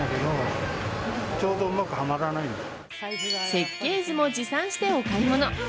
設計図を持参してお買い物。